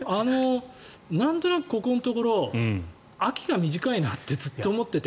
なんとなく、ここのところ秋が短いなとずっと思ってて。